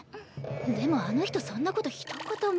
でもあの人そんなことひと言も。